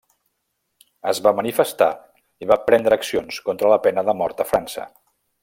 Es va manifestar i va prendre accions contra la pena de mort a França.